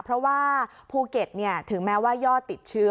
เพราะว่าภูเก็ตถึงแม้ว่ายอดติดเชื้อ